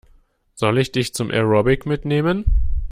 Soll ich dich zum Aerobic mitnehmen?